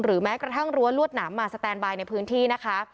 แม้กระทั่งรั้วลวดหนามมาสแตนบายในพื้นที่นะคะ